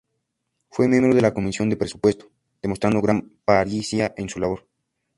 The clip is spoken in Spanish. Fue miembro de la comisión de presupuesto, demostrando gran pericia en su labor.